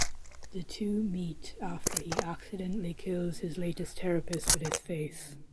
The two meet after he accidentally kills his latest therapist with his face.